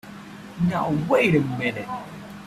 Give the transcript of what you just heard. Now wait a minute!